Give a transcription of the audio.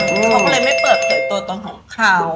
ต้องเลยไม่เปิดเปลือกตัวตนของเขา